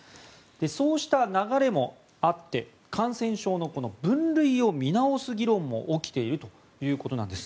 そうした流れもあって感染症の分類を見直す議論も起きているということなんです。